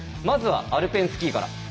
まずはアルペンスキーから。